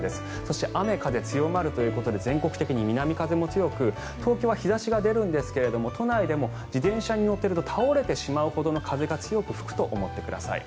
そして雨、風強まるということで全国的に南風も強く東京は日差しが出るんですが都内でも自転車に乗っていると倒れてしまうほどの風が強く吹くと思ってください。